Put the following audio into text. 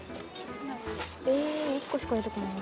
え１個しか出てこない。